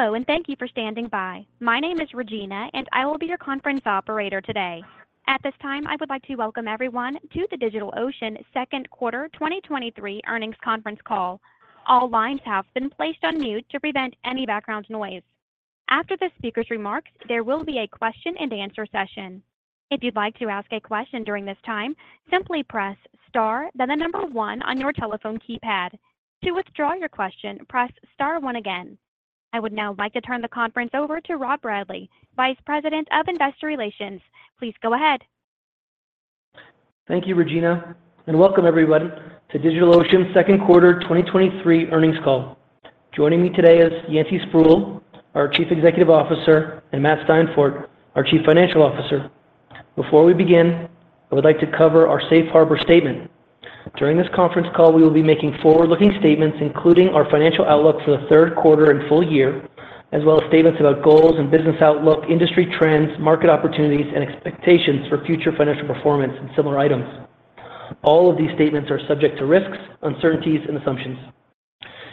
Hello, thank you for standing by. My name is Regina; I will be your conference operator today. At this time, I would like to welcome everyone to the DigitalOcean Second Quarter 2023 Earnings Conference Call. All lines have been placed on mute to prevent any background noise. After the speaker's remarks, there will be a Q&A session. If you'd like to ask a question during this time, simply press star, then one on your telephone keypad. To withdraw your question, press star one again. I would now like to turn the conference over to Rob Bradley, Vice President of Investor Relations. Please go ahead. Thank you, Regina, and welcome everybody to DigitalOcean second quarter 2023 earnings call. Joining me today is Yancey Spruill, our Chief Executive Officer, and Matt Steinfort, our Chief Financial Officer. Before we begin, I would like to cover our Safe Harbor statement. During this conference call, we will be making forward-looking statements, including our financial outlook for the third quarter and full year, as well as statements about goals and business outlook, industry trends, market opportunities, and expectations for future financial performance and similar items. All of these statements are subject to risks, uncertainties, and assumptions.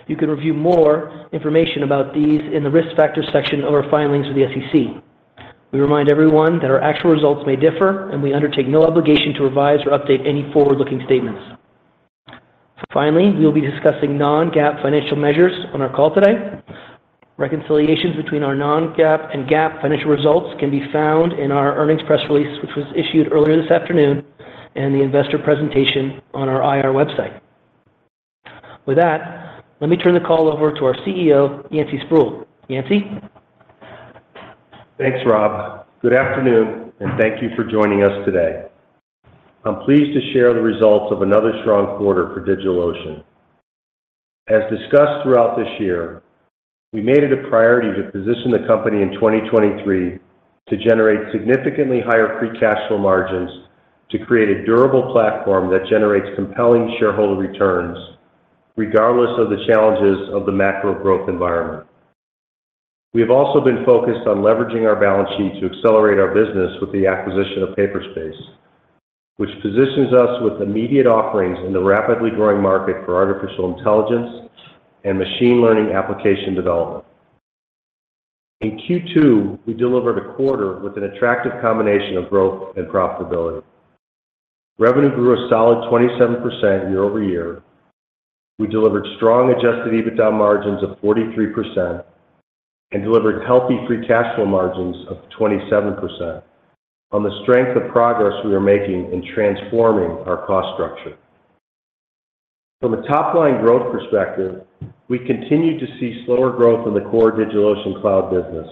You can review more information about these in the Risk Factors section of our filings with the SEC. We remind everyone that our actual results may differ, and we undertake no obligation to revise or update any forward-looking statements. Finally, we will be discussing non-GAAP financial measures on our call today. Reconciliations between our non-GAAP and GAAP financial results can be found in our earnings press release, which was issued earlier this afternoon, and the Investor Presentation on our IR website. With that, let me turn the call over to our CEO, Yancey Spruill. Yancey? Thanks, Rob. Good afternoon, and thank you for joining us today. I'm pleased to share the results of another strong quarter for DigitalOcean. As discussed throughout this year, we made it a priority to position the company in 2023 to generate significantly higher free cash flow margins to create a durable platform that generates compelling shareholder returns, regardless of the challenges of the macro growth environment. We have also been focused on leveraging our balance sheet to accelerate our business with the acquisition of Paperspace, which positions us with immediate offerings in the rapidly growing market for artificial intelligence and machine learning application development. In Q2, we delivered a quarter with an attractive combination of growth and profitability. Revenue grew a solid 27% year-over-year. We delivered strong adjusted EBITDA margins of 43% and delivered healthy free cash flow margins of 27% on the strength of progress we are making in transforming our cost structure. From a top-line growth perspective, we continue to see slower growth in the core DigitalOcean cloud business.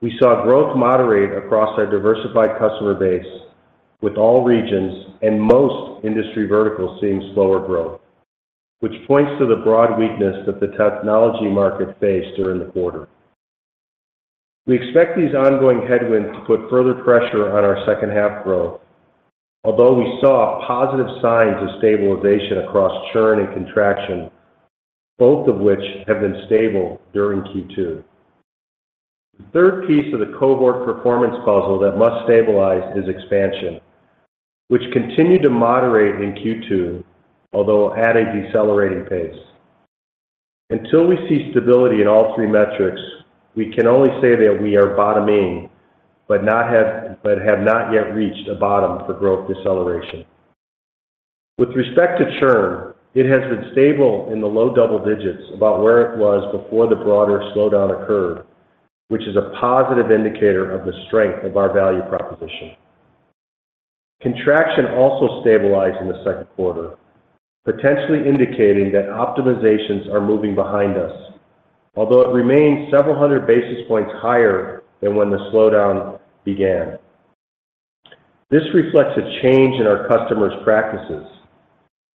We saw growth moderate across our diversified customer base, with all regions and most industry verticals seeing slower growth, which points to the broad weakness that the technology market faced during the quarter. We expect these ongoing headwinds to put further pressure on our second half growth, although we saw positive signs of stabilization across churn and contraction, both of which have been stable during Q2. The third piece of the cohort performance puzzle that must stabilize is expansion, which continued to moderate in Q2, although at a decelerating pace. Until we see stability in all three metrics, we can only say that we are bottoming, but have not yet reached a bottom for growth deceleration. With respect to churn, it has been stable in the low double digits, about where it was before the broader slowdown occurred, which is a positive indicator of the strength of our value proposition. Contraction also stabilized in the second quarter, potentially indicating that optimizations are moving behind us, although it remains several hundred basis points higher than when the slowdown began. This reflects a change in our customers' practices.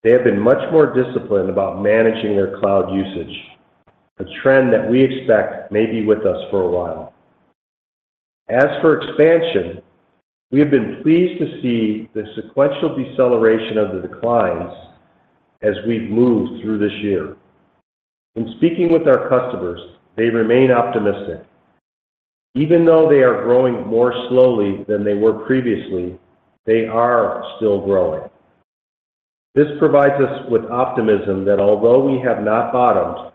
They have been much more disciplined about managing their cloud usage, a trend that we expect may be with us for a while. As for expansion, we have been pleased to see the sequential deceleration of the declines as we've moved through this year. In speaking with our customers, they remain optimistic. Even though they are growing more slowly than they were previously, they are still growing. This provides us with optimism that although we have not bottomed,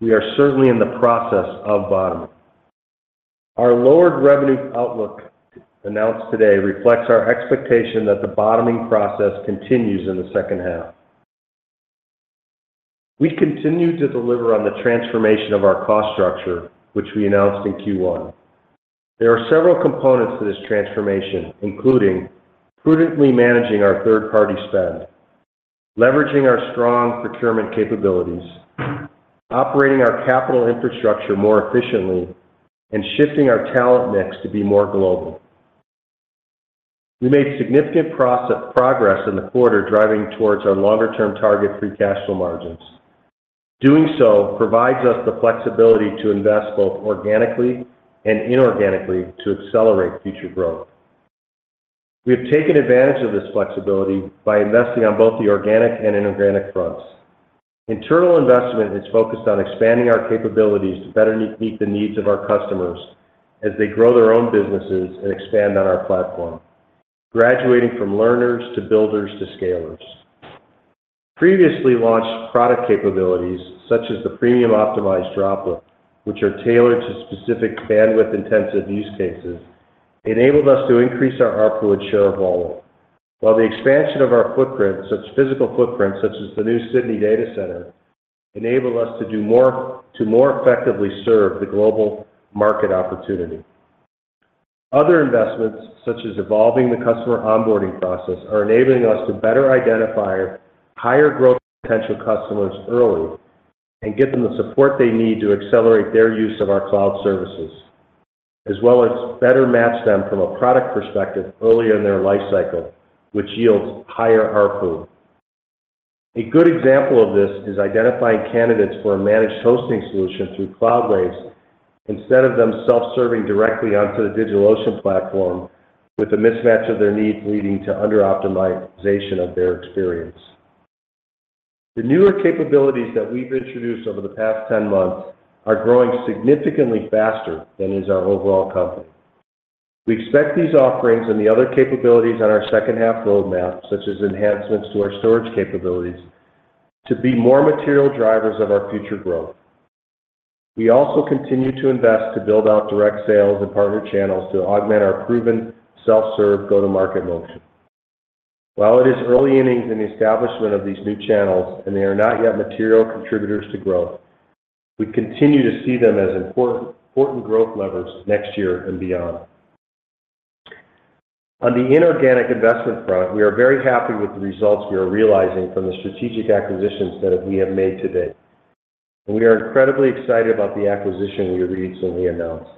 we are certainly in the process of bottoming. Our lowered revenue outlook announced today reflects our expectation that the bottoming process continues in the second half. We continue to deliver on the transformation of our cost structure, which we announced in Q1. There are several components to this transformation, including prudently managing our third-party spend, leveraging our strong procurement capabilities, operating our capital infrastructure more efficiently, and shifting our talent mix to be more global. We made significant progress in the quarter, driving towards our longer-term target free cash flow margins. Doing so provides us the flexibility to invest both organically and inorganically to accelerate future growth. We have taken advantage of this flexibility by investing on both the organic and inorganic fronts. Internal investment is focused on expanding our capabilities to better meet the needs of our customers as they grow their own businesses and expand on our platform, graduating from Learners to Builders to Scalers. Previously launched product capabilities, such as the Premium Optimized Droplet, which are tailored to specific bandwidth-intensive use cases, enabled us to increase our ARPU and share of volume, while the expansion of our footprint, such physical footprint, such as the new Sydney data center, enable us to more effectively serve the global market opportunity. Other investments, such as evolving the customer onboarding process, are enabling us to better identify higher growth potential customers early and get them the support they need to accelerate their use of our cloud services, as well as better match them from a product perspective earlier in their life cycle, which yields higher ARPU. A good example of this is identifying candidates for a managed hosting solution through Cloudways, instead of them self-serving directly onto the DigitalOcean platform with a mismatch of their needs, leading to under optimization of their experience. The newer capabilities that we've introduced over the past 10 months are growing significantly faster than is our overall company. We expect these offerings and the other capabilities on our second half roadmap, such as enhancements to our storage capabilities, to be more material drivers of our future growth. We also continue to invest to build out direct sales and partner channels to augment our proven self-serve go-to-market motion. While it is early innings in the establishment of these new channels and they are not yet material contributors to growth, we continue to see them as important, important growth levers next year and beyond. On the inorganic investment front, we are very happy with the results we are realizing from the strategic acquisitions that we have made to date. We are incredibly excited about the acquisition we recently announced.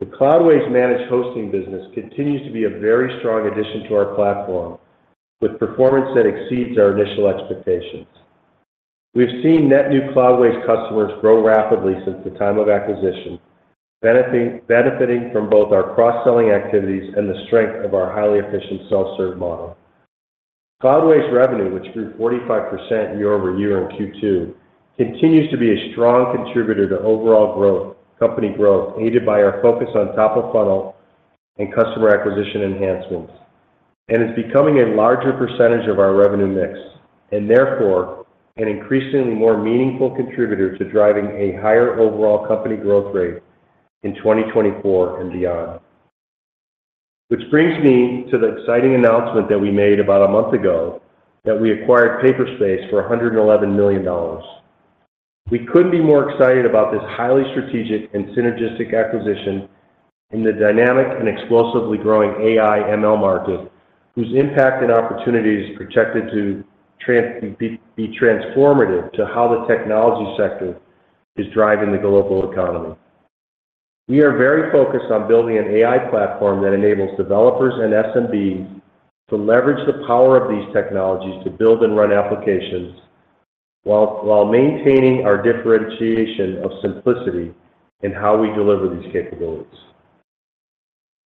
The Cloudways managed hosting business continues to be a very strong addition to our platform, with performance that exceeds our initial expectations. We've seen net new Cloudways customers grow rapidly since the time of acquisition, benefiting from both our cross-selling activities and the strength of our highly efficient self-serve model. Cloudways revenue, which grew 45% year-over-year in Q2, continues to be a strong contributor to overall growth, company growth, aided by our focus on top of funnel and customer acquisition enhancements, and is becoming a larger percentage of our revenue mix, and therefore an increasingly more meaningful contributor to driving a higher overall company growth rate in 2024 and beyond. Which brings me to the exciting announcement that we made about a month ago, that we acquired Paperspace for $111 million. We couldn't be more excited about this highly strategic and synergistic acquisition in the dynamic and explosively growing AI/ML market, whose impact and opportunity is projected to be, be transformative to how the technology sector is driving the global economy. We are very focused on building an AI platform that enables developers and SMBs to leverage the power of these technologies to build and run applications, while maintaining our differentiation of simplicity in how we deliver these capabilities.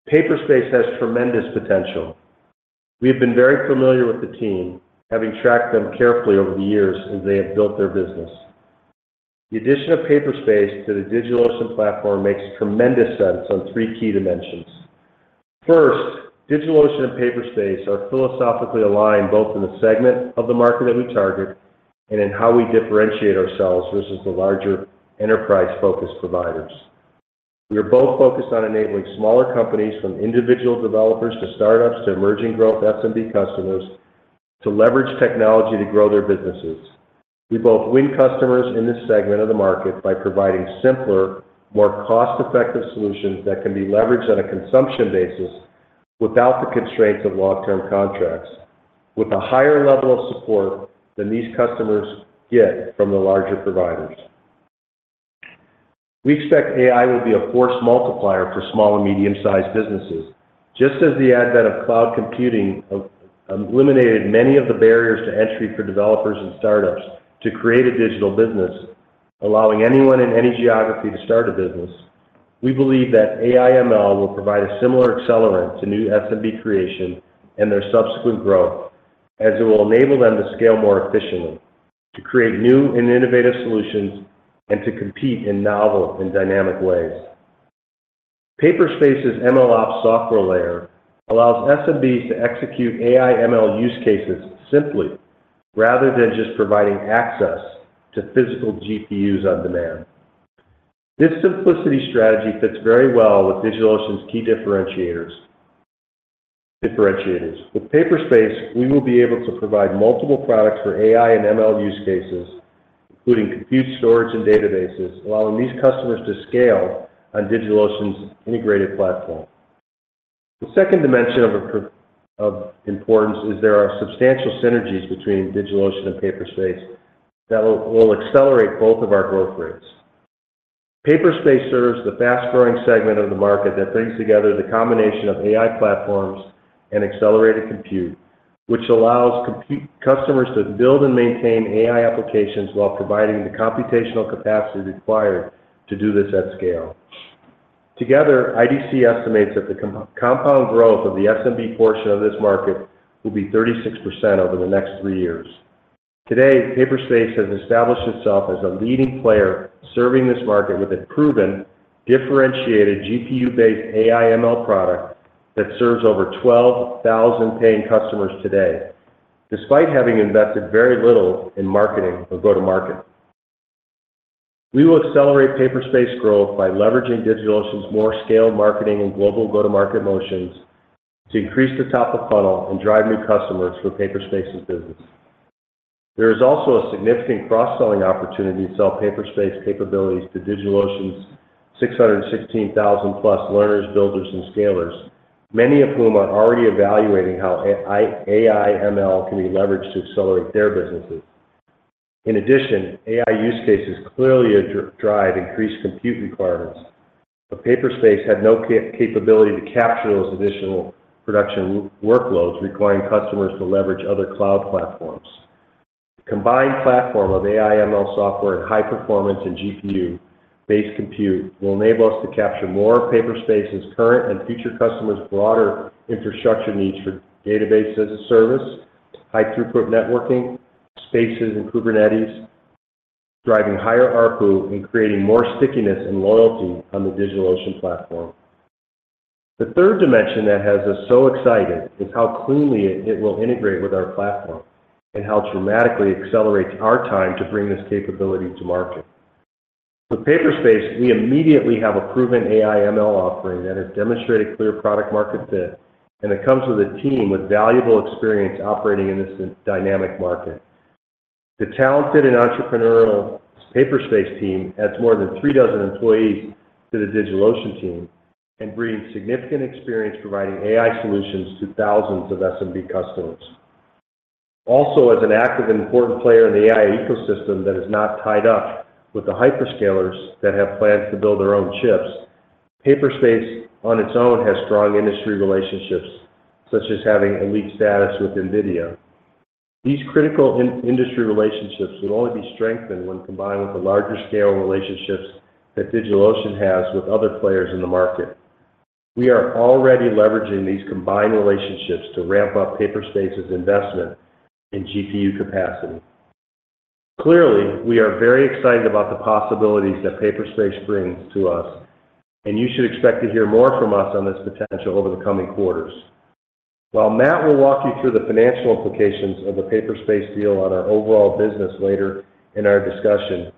Paperspace has tremendous potential. We have been very familiar with the team, having tracked them carefully over the years as they have built their business. The addition of Paperspace to the DigitalOcean platform makes tremendous sense on three key dimensions. First, DigitalOcean and Paperspace are philosophically aligned, both in the segment of the market that we target and in how we differentiate ourselves versus the larger enterprise-focused providers. We are both focused on enabling smaller companies, from individual developers, to startups, to emerging growth SMB customers, to leverage technology to grow their businesses. We both win customers in this segment of the market by providing simpler, more cost-effective solutions that can be leveraged on a consumption basis without the constraints of long-term contracts, with a higher level of support than these customers get from the larger providers. We expect AI will be a force multiplier for small and medium-sized businesses. Just as the advent of cloud computing eliminated many of the barriers to entry for developers and startups to create a digital business, allowing anyone in any geography to start a business, we believe that AI/ML will provide a similar accelerant to new SMB creation and their subsequent growth, as it will enable them to scale more efficiently, to create new and innovative solutions, and to compete in novel and dynamic ways. Paperspace's MLOps software layer allows SMBs to execute AI/ML use cases simply, rather than just providing access to physical GPUs on demand. This simplicity strategy fits very well with DigitalOcean's key differentiators. With Paperspace, we will be able to provide multiple products for AI and ML use cases, including compute, storage, and databases, allowing these customers to scale on DigitalOcean's integrated platform. The second dimension of importance is there are substantial synergies between DigitalOcean and Paperspace that will accelerate both of our growth rates. Paperspace serves the fast-growing segment of the market that brings together the combination of AI platforms and accelerated compute, which allows compute customers to build and maintain AI applications while providing the computational capacity required to do this at scale. Together, IDC estimates that the compound growth of the SMB portion of this market will be 36% over the next three years. Today, Paperspace has established itself as a leading player, serving this market with a proven, differentiated GPU-based AI/ML product that serves over 12,000 paying customers today, despite having invested very little in marketing or go-to-market. We will accelerate Paperspace growth by leveraging DigitalOcean's more scaled marketing and global go-to-market motions to increase the top of funnel and drive new customers for Paperspace's business. There is also a significant cross-selling opportunity to sell Paperspace capabilities to DigitalOcean's 616,000 plus Learners, Builders, and Scalers, many of whom are already evaluating how AI/ML can be leveraged to accelerate their businesses. In addition, AI use cases clearly drive increased compute requirements, but Paperspace had no capability to capture those additional production workloads, requiring customers to leverage other cloud platforms. Combined platform of AI/ML software and high performance and GPU-based compute will enable us to capture more of Paperspace's current and future customers' broader infrastructure needs for Database as a Service, high throughput networking, Spaces in Kubernetes, driving higher ARPU and creating more stickiness and loyalty on the DigitalOcean platform. The third dimension that has us so excited is how cleanly it will integrate with our platform and how dramatically accelerates our time to bring this capability to market. With Paperspace, we immediately have a proven AI/ML offering that has demonstrated clear product market fit, and it comes with a team with valuable experience operating in this dynamic market. The talented and entrepreneurial Paperspace team adds more than three dozen employees to the DigitalOcean team and brings significant experience providing AI solutions to thousands of SMB customers. As an active and important player in the AI ecosystem that is not tied up with the hyperscalers that have plans to build their own chips, Paperspace, on its own, has strong industry relationships, such as having Elite status with NVIDIA. These critical in-industry relationships will only be strengthened when combined with the larger scale relationships that DigitalOcean has with other players in the market. We are already leveraging these combined relationships to ramp up Paperspace's investment in GPU capacity. Clearly, we are very excited about the possibilities that Paperspace brings to us, and you should expect to hear more from us on this potential over the coming quarters. While Matt will walk you through the financial implications of the Paperspace deal on our overall business later in our discussion,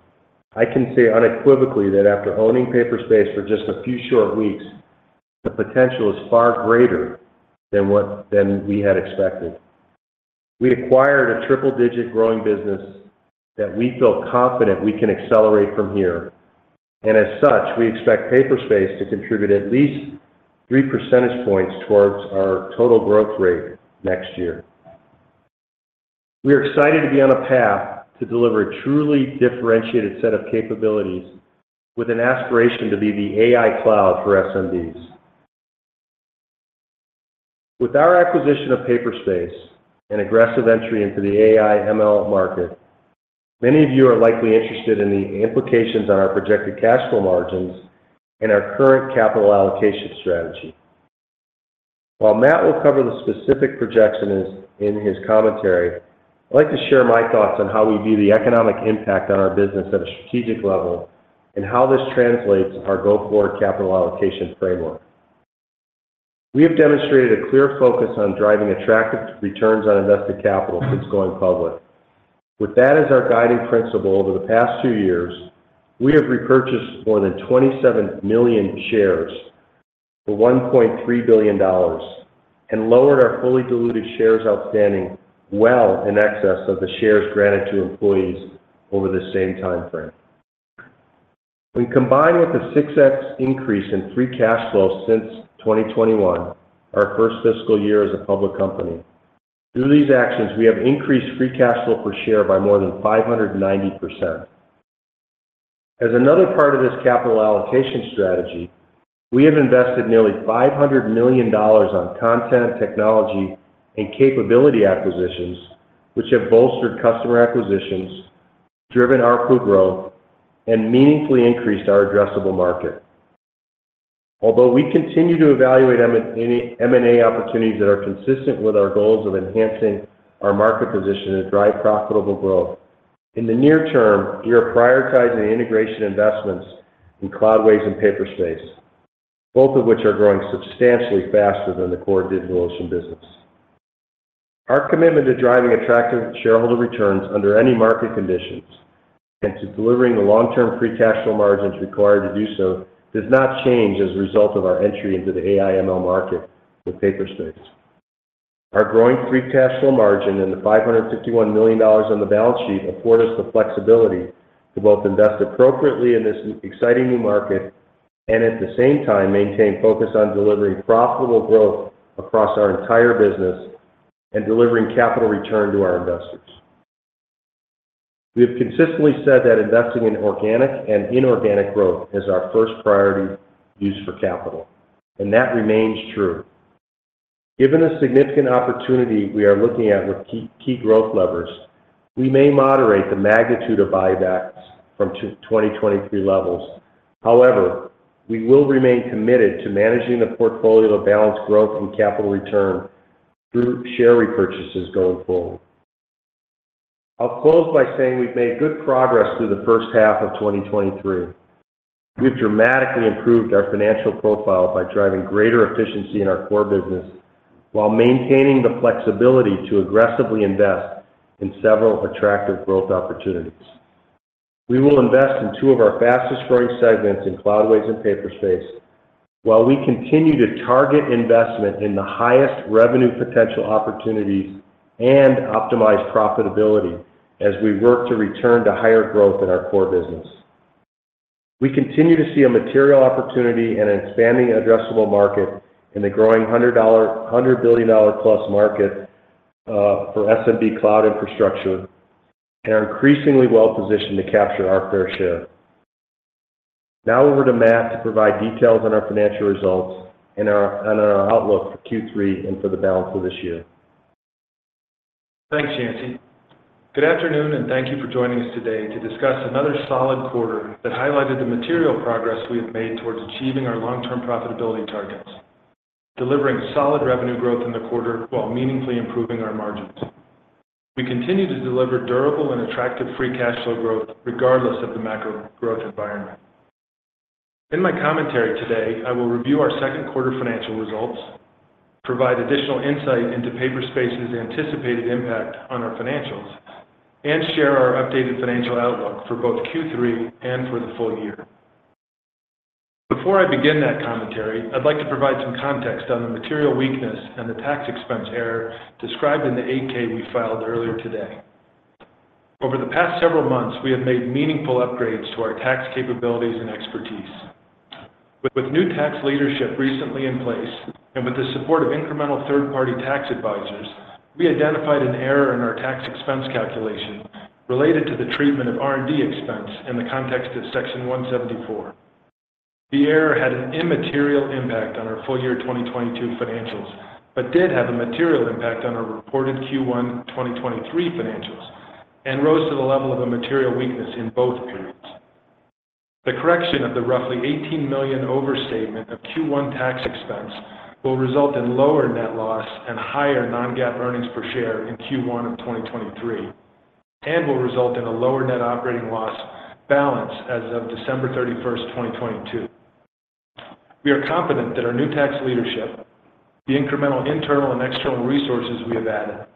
I can say unequivocally that after owning Paperspace for just a few short weeks, the potential is far greater than what than we had expected. We acquired a triple-digit growing business that we feel confident we can accelerate from here, and as such, we expect Paperspace to contribute at least three percentage points towards our total growth rate next year. We are excited to be on a path to deliver a truly differentiated set of capabilities with an aspiration to be the AI cloud for SMBs. With our acquisition of Paperspace and aggressive entry into the AI/ML market, many of you are likely interested in the implications on our projected cash flow margins and our current capital allocation strategy. While Matt will cover the specific projections in his commentary, I'd like to share my thoughts on how we view the economic impact on our business at a strategic level and how this translates our go-forward capital allocation framework. We have demonstrated a clear focus on driving attractive returns on invested capital since going public. With that as our guiding principle, over the past two years, we have repurchased more than 27 million shares for $1.3 billion, and lowered our fully diluted shares outstanding, well in excess of the shares granted to employees over the same time frame. When combined with the 6x increase in free cash flow since 2021, our first fiscal year as a public company, through these actions, we have increased free cash flow per share by more than 590%. As another part of this capital allocation strategy, we have invested nearly $500 million on content, technology, and capability acquisitions, which have bolstered customer acquisitions, driven ARPU growth, and meaningfully increased our addressable market. Although we continue to evaluate M&A opportunities that are consistent with our goals of enhancing our market position and drive profitable growth, in the near term, we are prioritizing the integration investments in Cloudways and Paperspace, both of which are growing substantially faster than the core DigitalOcean business. Our commitment to driving attractive shareholder returns under any market conditions and to delivering the long-term free cash flow margins required to do so does not change as a result of our entry into the AI/ML market with Paperspace. Our growing free cash flow margin and the $551 million on the balance sheet afford us the flexibility to both invest appropriately in this exciting new market and, at the same time, maintain focus on delivering profitable growth across our entire business and delivering capital return to our investors. We have consistently said that investing in organic and inorganic growth is our first priority use for capital, and that remains true. Given the significant opportunity we are looking at with key, key growth levers, we may moderate the magnitude of buybacks from 2023 levels. However, we will remain committed to managing the portfolio of balanced growth and capital return through share repurchases going forward. I'll close by saying we've made good progress through the first half of 2023. We've dramatically improved our financial profile by driving greater efficiency in our core business, while maintaining the flexibility to aggressively invest in several attractive growth opportunities. We will invest in two of our fastest-growing segments in Cloudways and Paperspace, while we continue to target investment in the highest revenue potential opportunities and optimize profitability as we work to return to higher growth in our core business. We continue to see a material opportunity and an expanding addressable market in the growing $100 billion plus market for SMB cloud infrastructure, and are increasingly well-positioned to capture our fair share. Now over to Matt to provide details on our financial results and our outlook for Q3 and for the balance of this year. Thanks, Yancey. Good afternoon, and thank you for joining us today to discuss another solid quarter that highlighted the material progress we have made towards achieving our long-term profitability targets, delivering solid revenue growth in the quarter while meaningfully improving our margins. We continue to deliver durable and attractive free cash flow growth regardless of the macro growth environment. In my commentary today, I will review our second quarter financial results, provide additional insight into Paperspace's anticipated impact on our financials, and share our updated financial outlook for both Q3 and for the full year. Before I begin that commentary, I'd like to provide some context on the material weakness and the tax expense error described in the 8-K we filed earlier today. Over the past several months, we have made meaningful upgrades to our tax capabilities and expertise. With new tax leadership recently in place, and with the support of incremental third-party tax advisors, we identified an error in our tax expense calculation related to the treatment of R&D expense in the context of Section 174. The error had an immaterial impact on our full year 2022 financials, but did have a material impact on our reported Q1 2023 financials, and rose to the level of a material weakness in both periods. The correction of the roughly $18 million overstatement of Q1 tax expense will result in lower net loss and higher non-GAAP earnings per share in Q1 of 2023, and will result in a lower net operating loss balance as of December 31st, 2022. We are confident that our new tax leadership, the incremental internal and external resources we have added,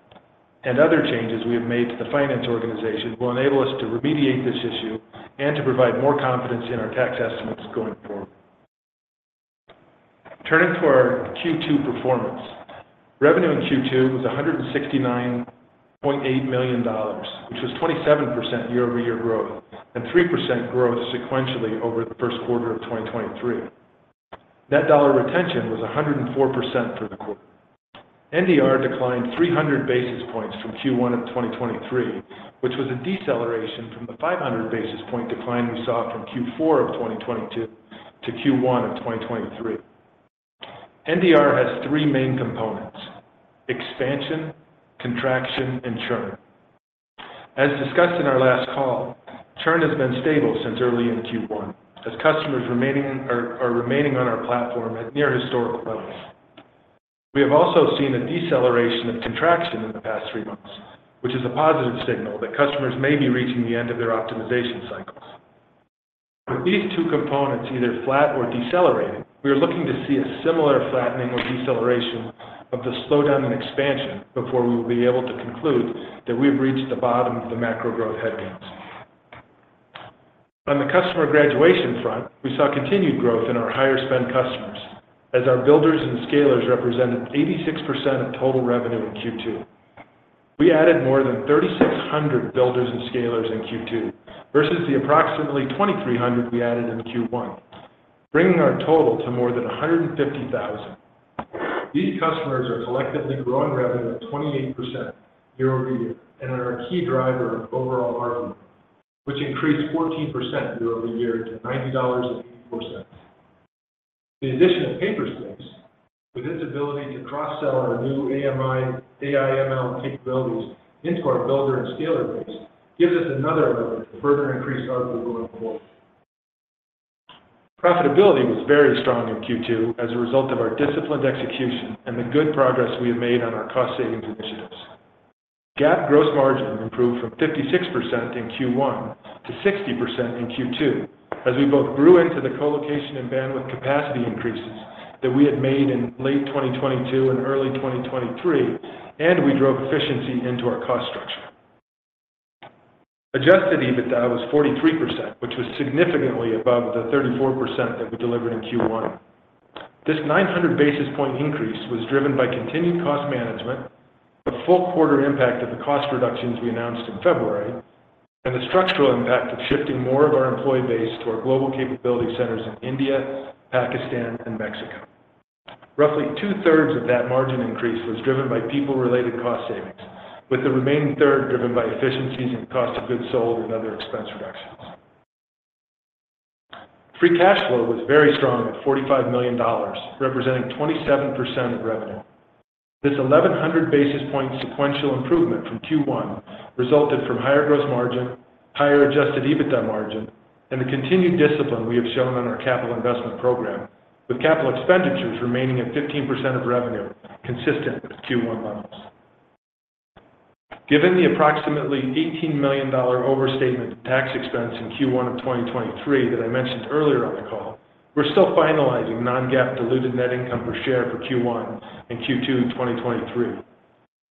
and other changes we have made to the finance organization will enable us to remediate this issue and to provide more confidence in our tax estimates going forward. Turning to our Q2 performance. Revenue in Q2 was $169.8 million, which was 27% year-over-year growth and 3% growth sequentially over the first quarter of 2023. Net dollar retention was 104% for the quarter. NDR declined 300 basis points from Q1 of 2023, which was a deceleration from the 500-basis point decline we saw from Q4 of 2022-Q1 of 2023. NDR has three main components: expansion, contraction, and churn. As discussed in our last call, churn has been stable since early in Q1, as customers remaining, are remaining on our platform at near historical levels. We have also seen a deceleration of contraction in the past three months, which is a positive signal that customers may be reaching the end of their optimization cycles. With these two components either flat or decelerating, we are looking to see a similar flattening or deceleration of the slowdown in expansion before we will be able to conclude that we have reached the bottom of the macro growth headwinds. On the customer graduation front, we saw continued growth in our higher-spend customers, as our Builders and Scalers represented 86% of total revenue in Q2. We added more than 3,600 Builders and Scalers in Q2 versus the approximately 2,300 we added in Q1, bringing our total to more than 150,000. These customers are collectively growing revenue of 28% year-over-year and are a key driver of overall ARPU, which increased 14% year-over-year to $90.84. The addition of Paperspace, with its ability to cross-sell our new AI/ML capabilities into our Builder and Scaler base, gives us another lever to further increase ARPU going forward. Profitability was very strong in Q2 as a result of our disciplined execution and the good progress we have made on our cost savings initiatives. GAAP gross margin improved from 56% in Q1 to 60% in Q2, as we both grew into the colocation and bandwidth capacity increases that we had made in late 2022 and early 2023. We drove efficiency into our cost structure. Adjusted EBITDA was 43%, which was significantly above the 34% that we delivered in Q1. This 900 basis point increase was driven by continued cost management, the full quarter impact of the cost reductions we announced in February, and the structural impact of shifting more of our employee base to our global capability centers in India, Pakistan, and Mexico. Roughly two-thirds of that margin increase was driven by people-related cost savings, with the remaining third driven by efficiencies in cost of goods sold and other expense reductions. Free cash flow was very strong at $45 million, representing 27% of revenue. This 1,100 basis point sequential improvement from Q1 resulted from higher gross margin, higher adjusted EBITDA margin, and the continued discipline we have shown on our capital investment program, with capital expenditures remaining at 15% of revenue, consistent with Q1 levels. Given the approximately $18 million overstatement of tax expense in Q1 2023 that I mentioned earlier on the call, we're still finalizing non-GAAP diluted net income per share for Q1 and Q2 2023.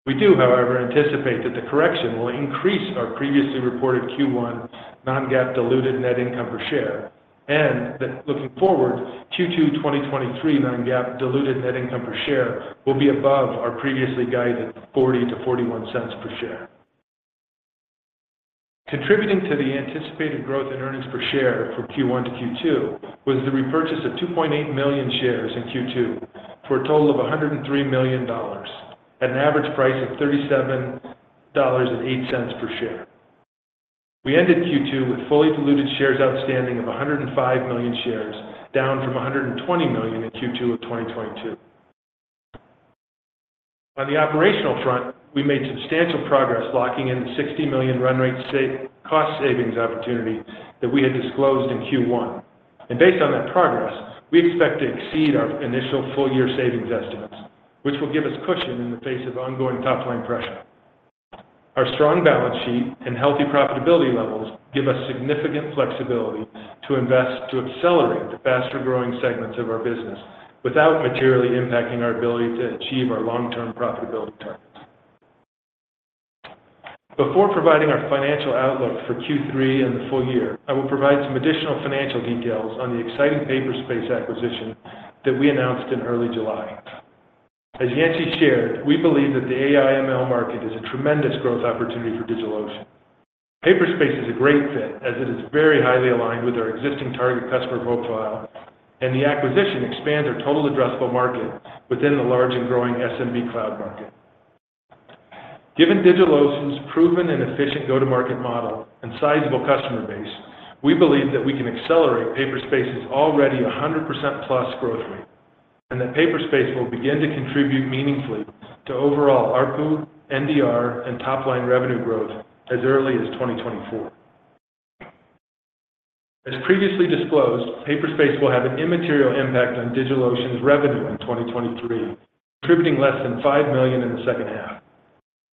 We do, however, anticipate that the correction will increase our previously reported Q1 non-GAAP diluted net income per share, and that looking forward, Q2 2023 non-GAAP diluted net income per share will be above our previously guided $0.40-$0.41 per share. Contributing to the anticipated growth in earnings per share from Q1-Q2 was the repurchase of 2.8 million shares in Q2, for a total of $103 million at an average price of $37.08 per share. We ended Q2 with fully diluted shares outstanding of 105 million shares, down from 120 million in Q2 of 2022. On the operational front, we made substantial progress locking in the $60 million run rate cost savings opportunity that we had disclosed in Q1. Based on that progress, we expect to exceed our initial full-year savings estimates, which will give us cushion in the face of ongoing top-line pressure. Our strong balance sheet and healthy profitability levels give us significant flexibility to invest, to accelerate the faster-growing segments of our business without materially impacting our ability to achieve our long-term profitability targets. Before providing our financial outlook for Q3 and the full year, I will provide some additional financial details on the exciting Paperspace acquisition that we announced in early July. As Yancey shared, we believe that the AI/ML market is a tremendous growth opportunity for DigitalOcean. Paperspace is a great fit as it is very highly aligned with our existing target customer profile, and the acquisition expands our total addressable market within the large and growing SMB cloud market. Given DigitalOcean's proven and efficient go-to-market model and sizable customer base, we believe that we can accelerate Paperspace's already 100% plus growth rate, and that Paperspace will begin to contribute meaningfully to overall ARPU, NDR, and top-line revenue growth as early as 2024. As previously disclosed, Paperspace will have an immaterial impact on DigitalOcean's revenue in 2023, contributing less than $5 million in the second half.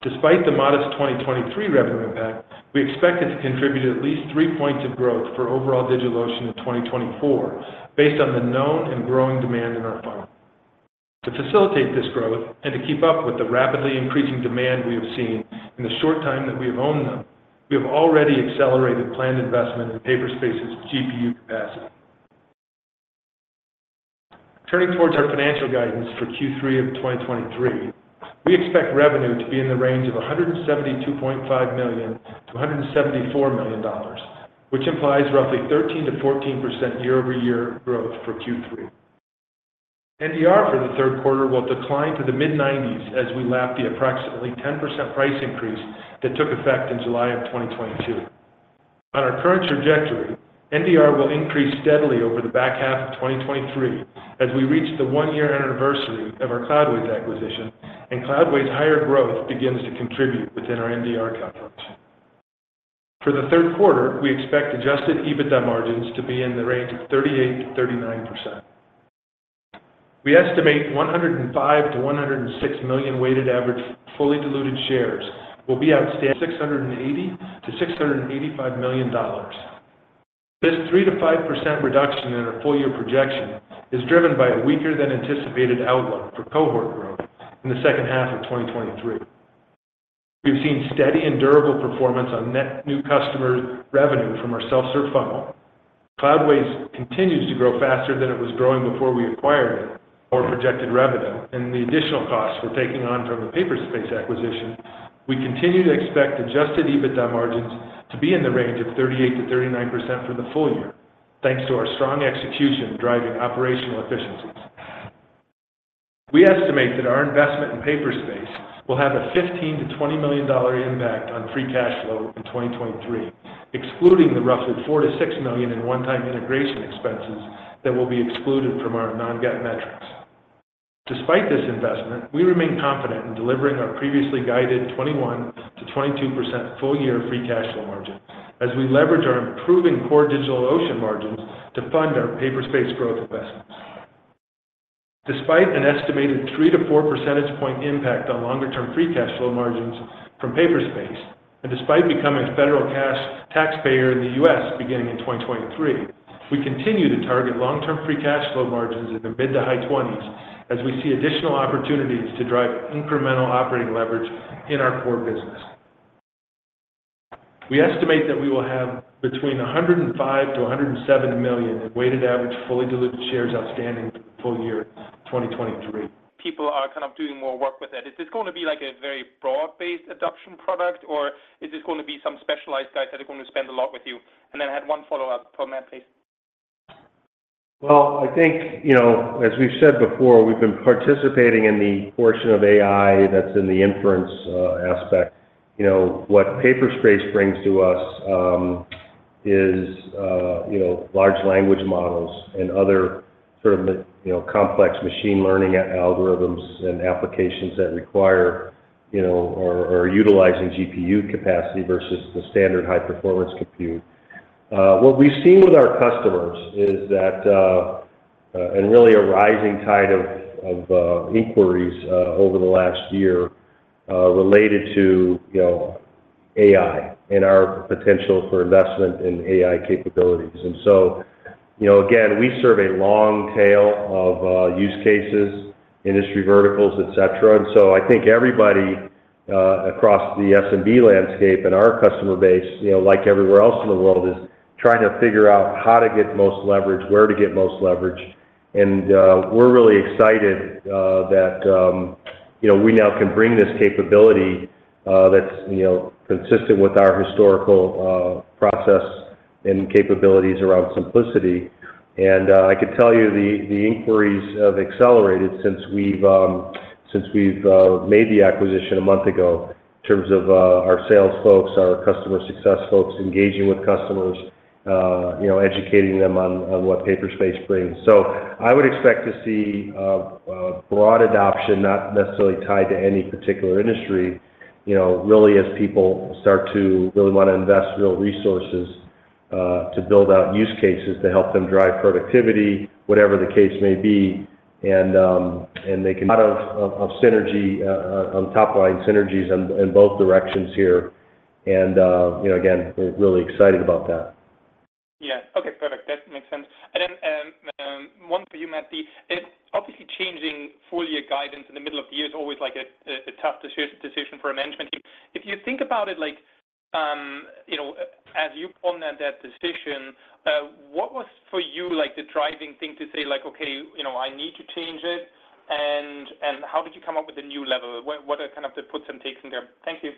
Despite the modest 2023 revenue impact, we expect it to contribute at least three points of growth for overall DigitalOcean in 2024, based on the known and growing demand in our funnel. To facilitate this growth and to keep up with the rapidly increasing demand we have seen in the short time that we have owned them, we have already accelerated planned investment in Paperspace's GPU capacity. Turning towards our financial guidance for Q3 of 2023, we expect revenue to be in the range of $172.5 million-$174 million, which implies roughly 13%-14% year-over-year growth for Q3. NDR for the third quarter will decline to the mid-90s as we lap the approximately 10% price increase that took effect in July of 2022. On our current trajectory, NDR will increase steadily over the back half of 2023 as we reach the one-year anniversary of our Cloudways acquisition, and Cloudways higher growth begins to contribute within our NDR calculation. For the third quarter, we expect adjusted EBITDA margins to be in the range of 38%-39%. We estimate 105 million-106 million weighted average fully diluted shares will be outstanding, $680 million-$685 million. This 3%-5% reduction in our full-year projection is driven by a weaker than anticipated outlook for cohort growth in the second half of 2023. We've seen steady and durable performance on net new customer revenue from our self-serve funnel. Cloudways continues to grow faster than it was growing before we acquired it. Our projected revenue and the additional costs we're taking on from the Paperspace acquisition, we continue to expect Adjusted EBITDA margins to be in the range of 38%-39% for the full year, thanks to our strong execution driving operational efficiencies. We estimate that our investment in Paperspace will have a $15 million-$20 million impact on free cash flow in 2023, excluding the roughly $4 million-$6 million in one-time integration expenses that will be excluded from our non-GAAP metrics. Despite this investment, we remain confident in delivering our previously guided 21%-22% full-year free cash flow margin as we leverage our improving core DigitalOcean margins to fund our Paperspace growth investments. Despite an estimated 3 percentage point-4 percentage point impact on longer-term free cash flow margins from Paperspace, and despite becoming a federal cash taxpayer in the US beginning in 2023, we continue to target long-term free cash flow margins in the mid to high-20s as we see additional opportunities to drive incremental operating leverage in our core business. We estimate that we will have between 105 million-107 million in weighted average, fully diluted shares outstanding full year 2023. People are kind of doing more work with it. Is this going to be like a very broad-based adoption product, or is this going to be some specialized guys that are going to spend a lot with you? Then I had one follow-up from that, please. Well, I think, you know, as we've said before, we've been participating in the portion of AI that's in the inference aspect. You know, what Paperspace brings to us, is, you know, large language models and other sort of, you know, complex machine learning algorithms and applications that require, you know, or, or utilizing GPU capacity versus the standard high-performance compute. What we've seen with our customers is that, and really a rising tide of inquiries, over the last year, related to, you know, AI and our potential for investment in AI capabilities. You know, again, we serve a long tail of use cases, industry verticals, et cetera. I think everybody across the SMB landscape and our customer base, you know, like everywhere else in the world, is trying to figure out how to get the most leverage, where to get most leverage. We're really excited that, you know, we now can bring this capability that's, you know, consistent with our historical process and capabilities around simplicity. I can tell you the inquiries have accelerated since we've since we've made the acquisition a month ago in terms of our sales folks, our customer success folks, engaging with customers, you know, educating them on what Paperspace brings. I would expect to see a broad adoption, not necessarily tied to any particular industry, you know, really, as people start to really want to invest real resources to build out use cases to help them drive productivity, whatever the case may be. They can out of, of, of synergy on top line synergies in, in both directions here. You know, again, we're really excited about that. Yeah. Okay, perfect. That makes sense. Then, one for you, Matt. It's obviously changing full year guidance in the middle of the year is always like a, a tough decision for a management team. If you think about it, like, you know, as you ponder that decision, what was for you, like, the driving thing to say, like, okay, you know, I need to change it, and, and how did you come up with a new level? What, what are kind of the puts and takes in there? Thank you.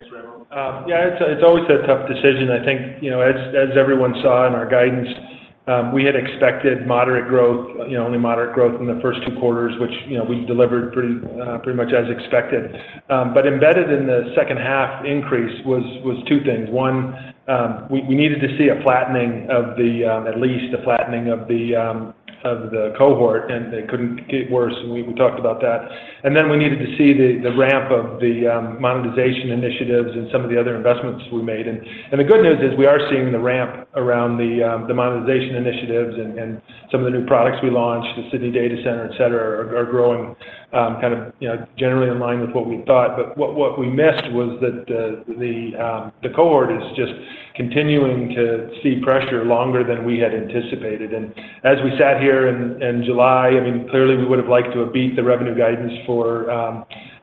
Thanks, Raimo. Yeah, it's, it's always a tough decision. I think, you know, as, as everyone saw in our guidance, we had expected moderate growth, you know, only moderate growth in the first two quarters, which, you know, we delivered pretty much as expected. Embedded in the second half increase was, was two things. One, we, we needed to see a flattening of the, at least a flattening of the, of the cohort, and it couldn't get worse, and we, we talked about that. Then we needed to see the, the ramp of the, monetization initiatives and some of the other investments we made. The good news is we are seeing the ramp around the monetization initiatives and, and some of the new products we launched, the Sydney data center, et cetera, are, are growing, kind of, you know, generally in line with what we thought. What, what we missed was that the, the cohort is just continuing to see pressure longer than we had anticipated. As we sat here in, in July, I mean, clearly, we would have liked to have beat the revenue guidance for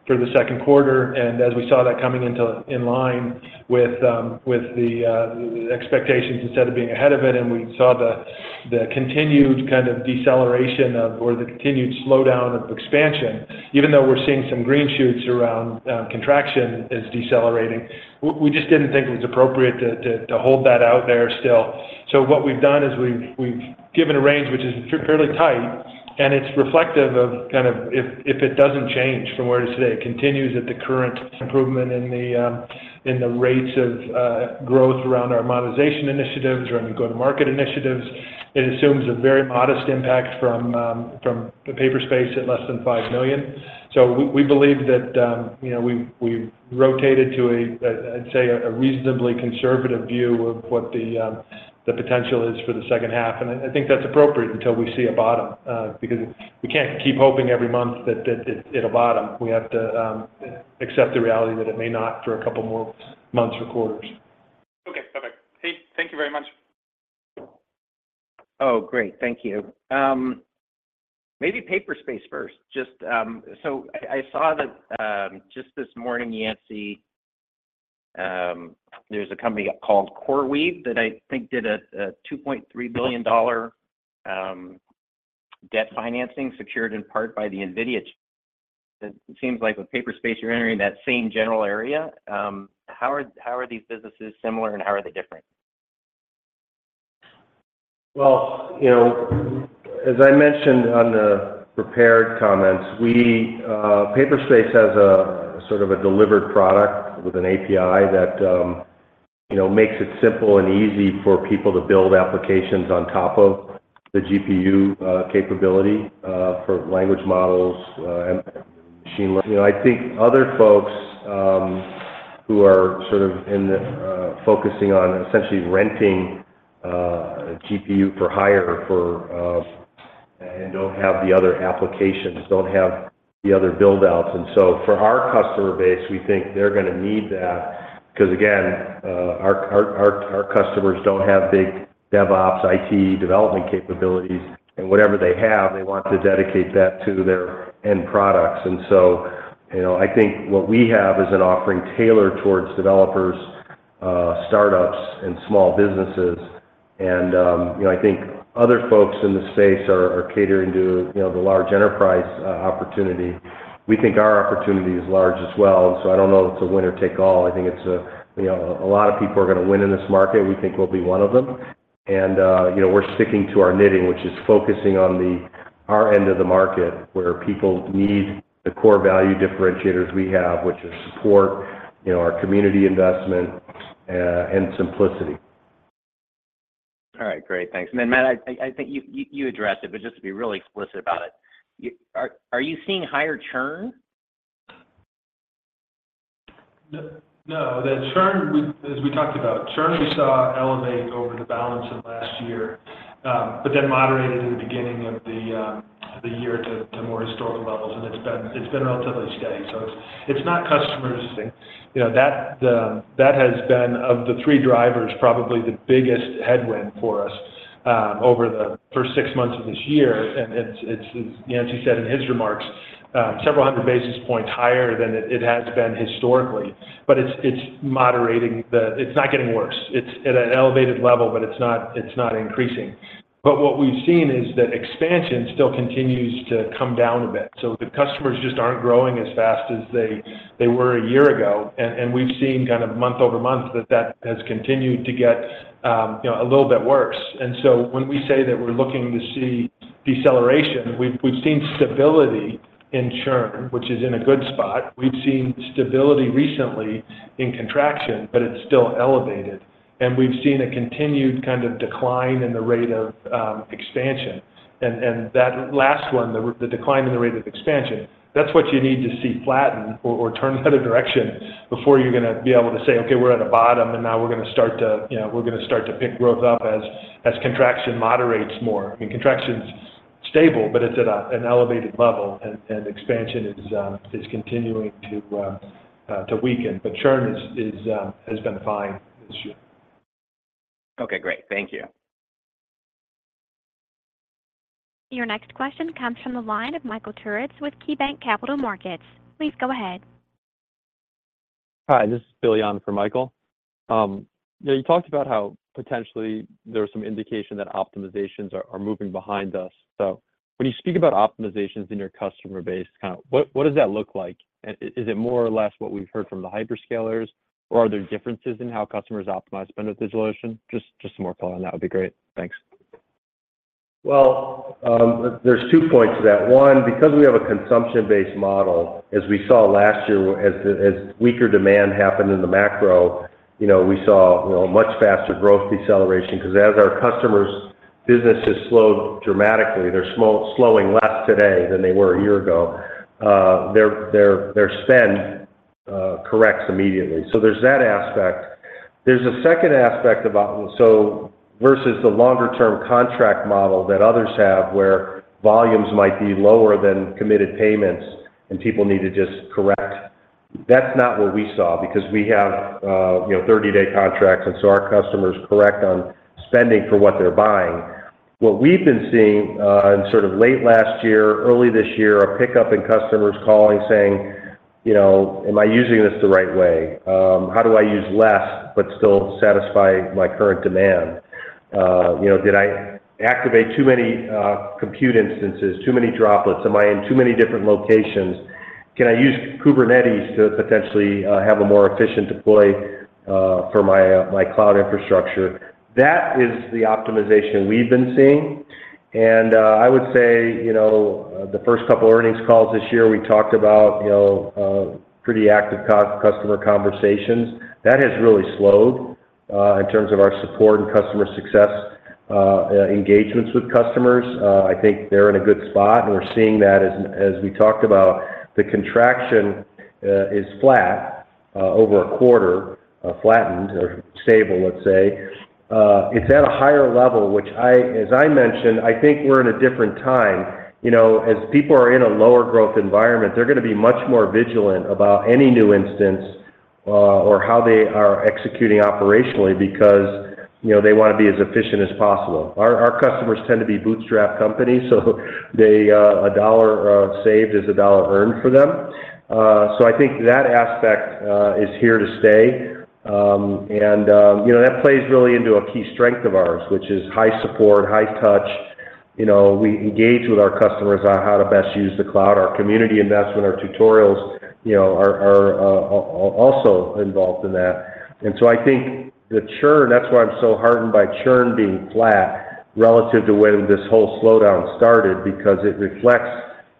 the second quarter. As we saw that coming into in line with the expectations, instead of being ahead of it, and we saw the, the continued kind of deceleration of, or the continued slowdown of expansion, even though we're seeing some green shoots around contraction is decelerating, we just didn't think it was appropriate to, to, to hold that out there still. What we've done is we've, we've given a range, which is fairly tight, and it's reflective of kind of if, if it doesn't change from where it is today. It continues at the current improvement in the rates of growth around our monetization initiatives or our go-to-market initiatives. It assumes a very modest impact from the Paperspace at less than $5 million. We, we believe that, you know, we've, we've rotated to a, a, I'd say, a reasonably conservative view of what the potential is for the second half, and I, I think that's appropriate until we see a bottom, because we can't keep hoping every month that, that it, it'll bottom. We have to accept the reality that it may not for a couple more months or quarters. Okay, perfect. Hey, thank you very much. Oh, great. Thank you. Maybe Paperspace first. Just, I saw that, just this morning, Yancey, there's a company called CoreWeave that I think did a $2.3 billion debt financing, secured in part by the NVIDIA. It seems like with Paperspace, you're entering that same general area. How are these businesses similar, and how are they different? Well, you know, as I mentioned on the prepared comments, we, Paperspace has a sort of a delivered product with an API that, you know, makes it simple and easy for people to build applications on top of the GPU capability for language models and machine learning. You know, I think other folks who are sort of in the focusing on essentially renting GPU for hire for. Don't have the other applications, don't have the other buildouts. For our customer base, we think they're gonna need that, cause again, our, our, our, our customers don't have big DevOps, IT, development capabilities, and whatever they have, they want to dedicate that to their end products. You know, I think what we have is an offering tailored towards developers, startups, and small businesses. You know, I think other folks in the space are catering to, you know, the large enterprise opportunity. We think our opportunity is large as well, so I don't know if it's a winner take all. I think it's a, you know, a lot of people are gonna win in this market. We think we'll be one of them, and, you know, we're sticking to our knitting, which is focusing on our end of the market, where people need the core value differentiators we have, which is support, you know, our community investment, and simplicity. All right, great. Thanks. Matt, I, I think you, you addressed it, but just to be really explicit about it, are you seeing higher churn? No, the churn, as we talked about, churn we saw elevate over the balance of last year, but then moderated in the beginning of the year to more historical levels, and it's been relatively steady. It's, it's not customers- You know, that the, that has been, of the 3 drivers, probably the biggest headwind for us over the first 6 months of this year. It's, it's, as Yancey said in his remarks, several hundred basis points higher than it has been historically, but it's moderating the... It's not getting worse. It's at an elevated level, but it's not increasing. What we've seen is that expansion still continues to come down a bit. The customers just aren't growing as fast as they, they were a year ago, and, and we've seen kind of month-over-month that that has continued to get, you know, a little bit worse. When we say that we're looking to see deceleration, we've, we've seen stability in churn, which is in a good spot. We've seen stability recently in contraction, but it's still elevated, and we've seen a continued kind of decline in the rate of expansion. That last one, the, the decline in the rate of expansion, that's what you need to see flatten or, or turn the other direction before you're gonna be able to say, "Okay, we're at a bottom, and now we're gonna start to, you know, we're gonna start to pick growth up as, as contraction moderates more." I mean, contraction's stable, but it's at a, an elevated level, and expansion is continuing to weaken, but churn is, is has been fine this year. Okay, great. Thank you. Your next question comes from the line of Michael Turits with KeyBanc Capital Markets. Please go ahead. Hi, this is Billy on for Michael. You talked about how potentially there are some indications that optimizations are, are moving behind us. So, when you speak about optimizations in your customer base, kind of what, what does that look like? And is it more or less what we've heard from the hyperscalers, or are there differences in how customers optimize spend with DigitalOcean? Just, just some more color on that would be great. Thanks. Well, there's two points to that. One, because we have a consumption-based model, as we saw last year, as the, as weaker demand happened in the macro, you know, we saw, you know, much faster growth deceleration, 'cause as our customers' businesses slowed dramatically, they're slow-slowing less today than they were a year-ago, their, their, their spend corrects immediately. There's that aspect. There's a second aspect about so, versus the longer-term contract model that others have, where volumes might be lower than committed payments and people need to just correct, that's not what we saw because we have, you know, 30-day contracts, and so our customers correct on spending for what they're buying. What we've been seeing, in sort of late last year, early this year, a pickup in customers calling saying, "You know, am I using this the right way? How do I use less but still satisfy my current demand? You know, did I activate too many compute instances, too many Droplets? Am I in too many different locations? Can I use Kubernetes to potentially have a more efficient deploy for my cloud infrastructure? That is the optimization we've been seeing. I would say, you know, the first two earnings call this year, we talked about, you know, pretty active customer conversations. That has really slowed in terms of our support and customer success engagements with customers. I think they're in a good spot, and we're seeing that as, as we talked about, the contraction is flat over one quarter, flattened or stable, let's say. It's at a higher level, which as I mentioned, I think we're in a different time. You know, as people are in a lower growth environment, they're gonna be much more vigilant about any new instance, or how they are executing operationally because, you know, they wanna be as efficient as possible. Our, our customers tend to be bootstrap companies, so they, a dollar saved is a dollar earned for them. I think that aspect is here to stay. You know, that plays really into a key strength of ours, which is high support, high touch. You know, we engage with our customers on how to best use the cloud. Our community investment, our tutorials, you know, are, are also involved in that. I think the churn, that's why I'm so heartened by churn being flat relative to when this whole slowdown started, because it reflects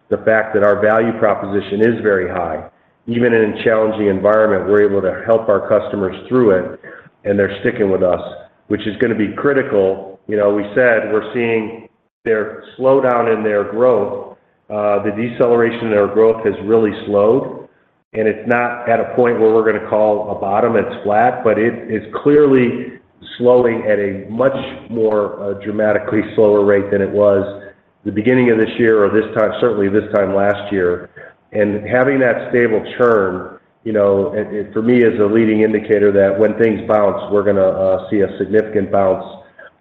the fact that our value proposition is very high. Even in a challenging environment, we're able to help our customers through it, and they're sticking with us, which is gonna be critical. You know, we said we're seeing their slowdown in their growth. The deceleration in their growth has really slowed, and it's not at a point where we're gonna call a bottom. It's flat, but it is clearly slowing at a much more dramatically slower rate than it was the beginning of this year or this time, certainly this time last year. Having that stable churn, you know, it, it for me is a leading indicator that when things bounce, we're gonna see a significant bounce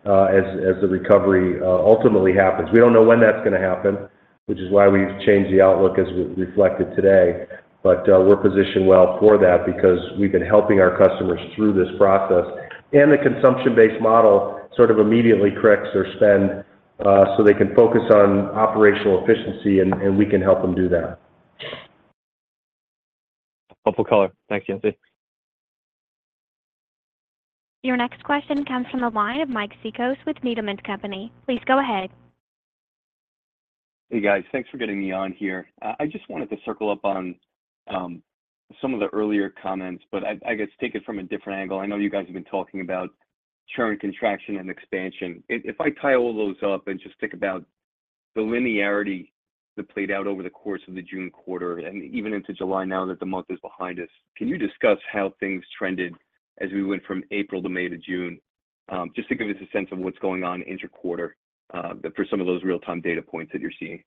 as the recovery ultimately happens. We don't know when that's gonna happen, which is why we've changed the outlook as reflected today. We're positioned well for that because we've been helping our customers through this process, and the consumption-based model sort of immediately corrects their spend, so they can focus on operational efficiency, and, and we can help them do that. Helpful color. Thank you, Yancey. Your next question comes from the line of Mike Cikos with Needham and Company. Please go ahead. Hey, guys. Thanks for getting me on here. I just wanted to circle up on some of the earlier comments. I guess take it from a different angle. I know you guys have been talking about churn, contraction, and expansion. If, if I tie all those up and just think about the linearity that played out over the course of the June quarter and even into July now that the month is behind us, can you discuss how things trended as we went from April to May to June? Just to give us a sense of what's going on inter quarter, for some of those real-time data points that you're seeing.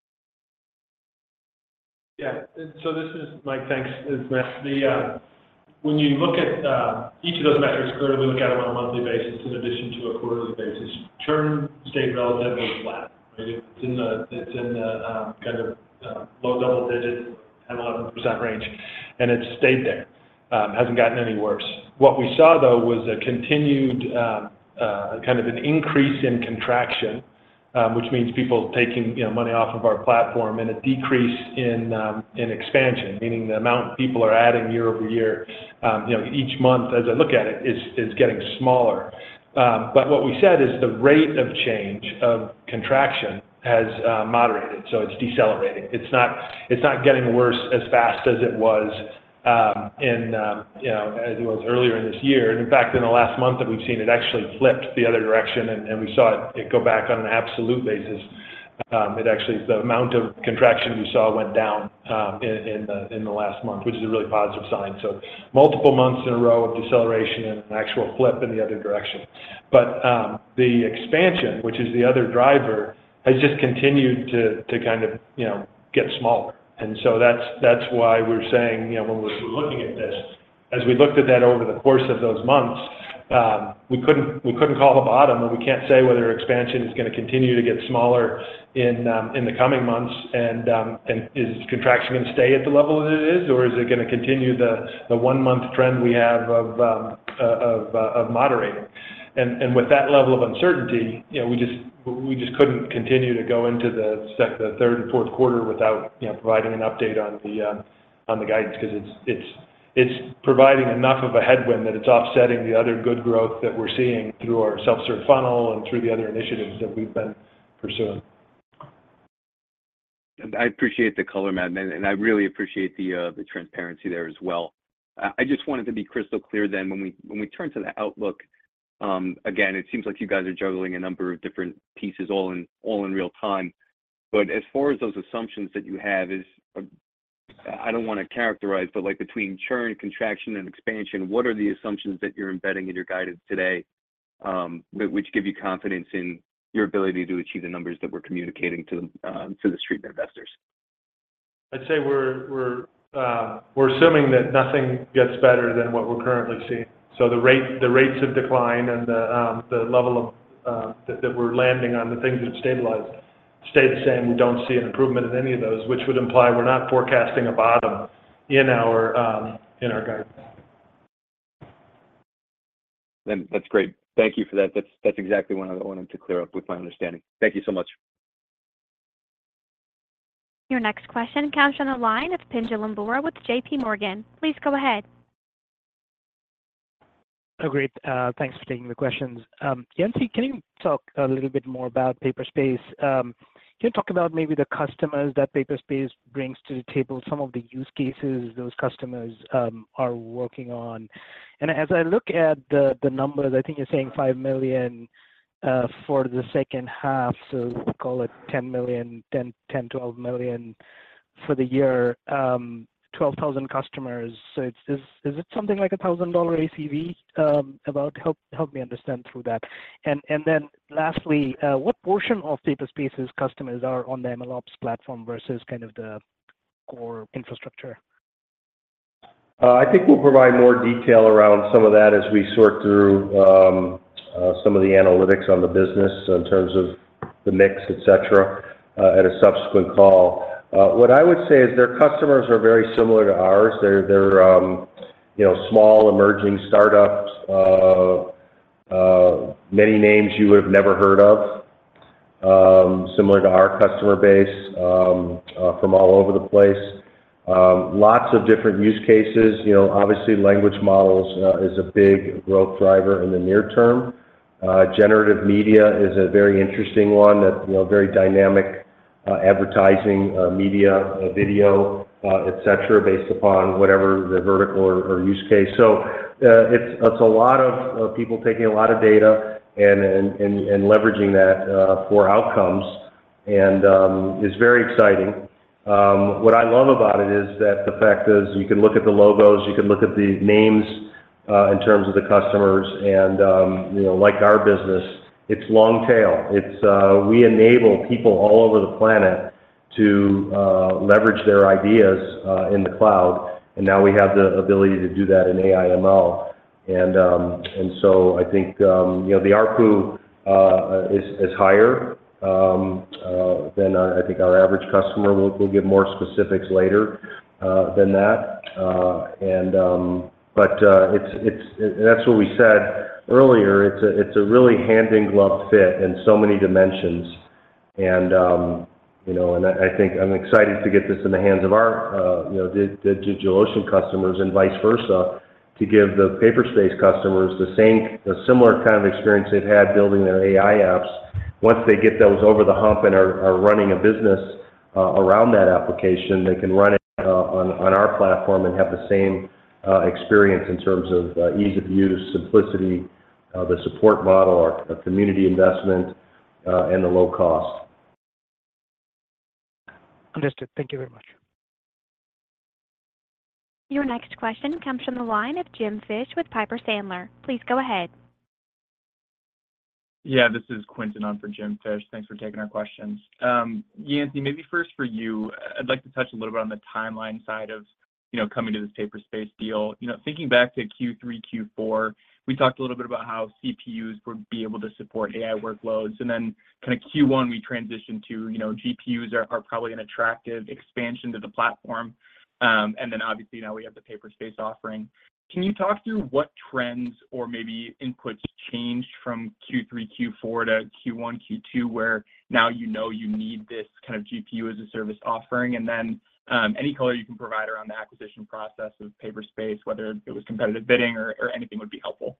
Yeah. Mike, thanks. This is Matt. The, when you look at each of those metrics earlier, we look at them on a monthly basis in addition to a quarterly basis. Churn stayed relatively flat. It's in the, it's in the kind of low double digits, 10%-11% range, and it's stayed there. Hasn't gotten any worse. What we saw, though, was a continued kind of an increase in contraction, which means people taking, you know, money off of our platform, and a decrease in expansion, meaning the amount people are adding year-over-year. You know, each month, as I look at it, is getting smaller. What we said is the rate of change of contraction has moderated, so it's decelerating. It's not, it's not getting worse as fast as it was, you know, as it was earlier in this year. In fact, in the last month that we've seen, it actually flipped the other direction, and, and we saw it, it go back on an absolute basis. It actually, the amount of contraction we saw went down in, in the, in the last month, which is a really positive sign. Multiple months in a row of deceleration and an actual flip in the other direction. The expansion, which is the other driver, has just continued to, to kind of, you know, get smaller. That's, that's why we're saying, you know, when we're looking at this, as we looked at that over the course of those months, we couldn't, we couldn't call the bottom, and we can't say whether expansion is gonna continue to get smaller in the coming months. Is contraction going to stay at the level it is, or is it gonna continue the one-month trend we have of moderating? With that level of uncertainty, you know, we just, we just couldn't continue to go into the third and fourth quarter without, you know, providing an update on the guidance, because it's, it's, it's providing enough of a headwind that it's offsetting the other good growth that we're seeing through our self-serve funnel and through the other initiatives that we've been pursuing. I appreciate the color, Matt, and I really appreciate the transparency there as well. I just wanted to be crystal clear then, when we, when we turn to the outlook, again, it seems like you guys are juggling a number of different pieces all in, all in real time. As far as those assumptions that you have is, I don't want to characterize, but like between churn, contraction, and expansion, what are the assumptions that you're embedding in your guidance today, which give you confidence in your ability to achieve the numbers that we're communicating to the Street investors? I'd say we're, we're, we're assuming that nothing gets better than what we're currently seeing. The rate, the rates of decline and the, the level of, that, that we're landing on, the things that have stabilized, stay the same. We don't see an improvement in any of those, which would imply we're not forecasting a bottom in our, in our guidance. That's great. Thank you for that. That's, that's exactly what I wanted to clear up with my understanding. Thank you so much. Your next question comes from the line of Pinjalim Bora with JPMorgan. Please go ahead. Oh, great. Thanks for taking the questions. Yancey, can you talk a little bit more about Paperspace? Can you talk about maybe the customers that Paperspace brings to the table, some of the use cases those customers are working on? As I look at the numbers, I think you're saying $5 million for the second half, so call it $10 million-$12 million for the year, 12,000 customers. Is it something like a $1,000 ACV about? Help me understand through that. Then lastly, what portion of Paperspace's customers are on the MLOps platform versus kind of the core infrastructure? I think we'll provide more detail around some of that as we sort through some of the analytics on the business in terms of the mix, et cetera, at a subsequent call. What I would say is their customers are very similar to ours. They're, they're, you know, small, emerging startups, many names you would have never heard of, similar to our customer base, from all over the place. Lots of different use cases. You know, obviously, language models is a big growth driver in the near term. Generative media is a very interesting one that, you know, very dynamic, advertising, media, video, et cetera, based upon whatever the vertical or use case. It's, it's a lot of, of people taking a lot of data and, and, and, and leveraging that for outcomes, and it's very exciting. What I love about it is that the fact is you can look at the logos, you can look at the names in terms of the customers, and, you know, like our business, it's long tail. It's, we enable people all over the planet to leverage their ideas in the cloud, and now we have the ability to do that in AI/ML. I think, you know, the ARPU is, is higher than I, I think our average customer. We'll, we'll give more specifics later than that. It's, that's what we said earlier. It's a really hand-in-glove fit in so many dimensions. And, you know, and I, I think I'm excited to get this in the hands of our, you know, the, the DigitalOcean customers and vice versa, to give the Paperspace customers the same, the similar kind of experience they've had building their AI apps. Once they get those over the hump and are, are running a business, around that application, they can run it, on, on our platform and have the same, experience in terms of, ease of use, simplicity, the support model, or the community investment, and the low cost. Understood. Thank you very much. Your next question comes from the line of Jim Fish with Piper Sandler. Please go ahead. Yeah, this is Quinton on for Jim Fish. Thanks for taking our questions. Yancey, maybe first for you, I'd like to touch a little bit on the timeline side of, you know, coming to this Paperspace deal. You know, thinking back to Q3, Q4, we talked a little bit about how GPUs would be able to support AI workloads. Then kinda Q1, we transitioned to, you know, GPUs are, are probably an attractive expansion to the platform. Then obviously, now we have the Paperspace offering. Can you talk through what trends or maybe inputs changed from Q3, Q4 to Q1, Q2, where now you know you need this kind of GPU as a Service offering? Then, any color you can provide around the acquisition process of Paperspace, whether it was competitive bidding or, or anything would be helpful.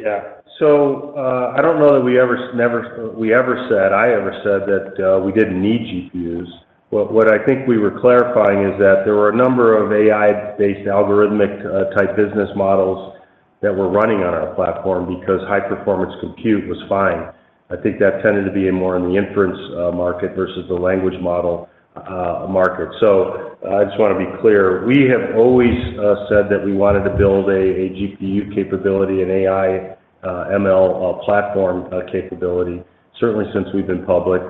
I don't know that we ever said, I ever said that we didn't need GPUs. What I think we were clarifying is that there were a number of AI-based algorithmic type business models that were running on our platform because high-performance compute was fine. I think that tended to be more in the inference market versus the language model market. I just wanna be clear, we have always said that we wanted to build a GPU capability, an AI/ML platform capability, certainly since we've been public.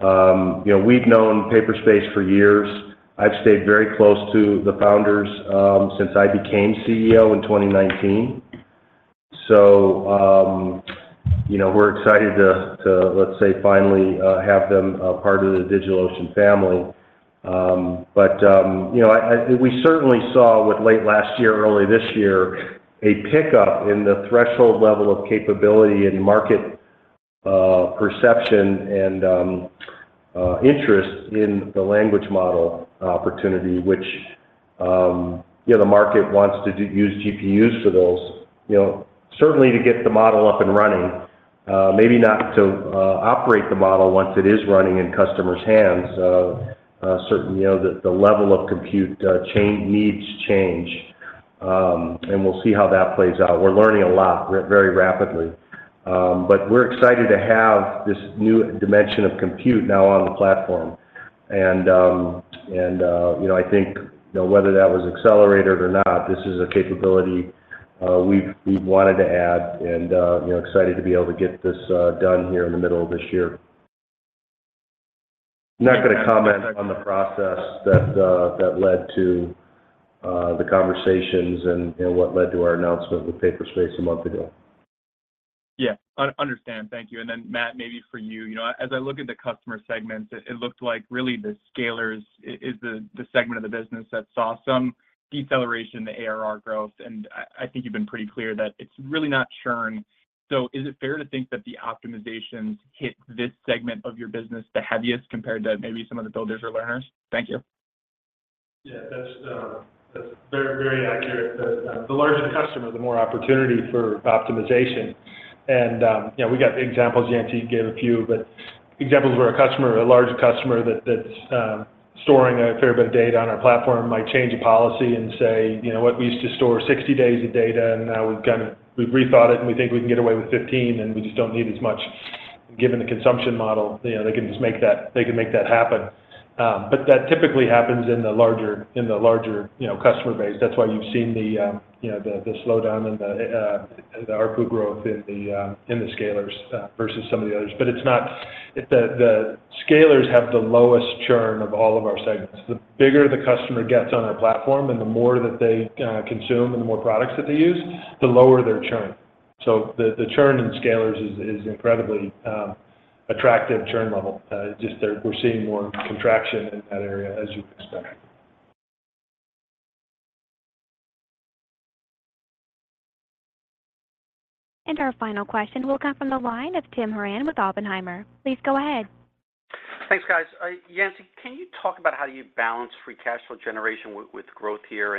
You know, we've known Paperspace for years. I've stayed very close to the founders since I became CEO in 2019. You know, we're excited to, let's say, finally, have them a part of the DigitalOcean family. You know, we certainly saw what late last year, early this year, a pickup in the threshold level of capability and market, perception and, interest in the language model opportunity, which, you know, the market wants to do use GPUs for those. You know, certainly to get the model up and running, maybe not to, operate the model once it is running in customers' hands. Certain, you know, the, the level of compute, chain needs change, and we'll see how that plays out. We're learning a lot very rapidly, but we're excited to have this new dimension of compute now on the platform. You know, I think, you know, whether that was accelerated or not, this is a capability, we've, we've wanted to add and, you know, excited to be able to get this done here in the middle of this year. I'm not gonna comment on the process that led to the conversations and, and what led to our announcement with Paperspace a month ago. Yeah, understand. Thank you. Then, Matt, maybe for you. You know, as I look at the customer segments, it looked like really the Scalers is the segment of the business that saw some deceleration in the ARR growth, and I think you've been pretty clear that it's really not churn. Is it fair to think that the optimizations hit this segment of your business the heaviest compared to maybe some of the Builders or Learners? Thank you. Yeah, that's, that's very, very accurate. The, the larger the customer, the more opportunity for optimization. You know, we got the examples, Yancey gave a few, but examples where a customer, a larger customer that, that's storing a fair bit of data on our platform might change a policy and say, "You know what? We used to store 60 days of data, and now we've kinda, we've rethought it, and we think we can get away with 15, and we just don't need as much." Given the consumption model, you know, they can just make that, they can make that happen. But that typically happens in the larger, in the larger, you know, customer base. That's why you've seen the, you know, the, the slowdown in the, the ARPU growth in the, in the Scalers, versus some of the others. The Scalers have the lowest churn of all of our segments. The bigger the customer gets on our platform, and the more that they consume, and the more products that they use, the lower their churn. The churn in Scalers is incredibly attractive churn level. Just that we're seeing more contraction in that area, as you'd expect. Our final question will come from the line of Tim Horan with Oppenheimer. Please go ahead. Thanks, guys. Yancey, can you talk about how do you balance free cash flow generation with growth here?